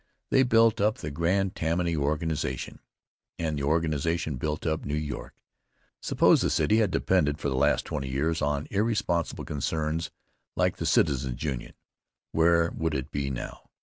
They built up the grand Tammany organization, and the organization built up New York. Suppose the city had to depend for the last twenty years on irresponsible concerns like the Citizens' Union, where would it be now?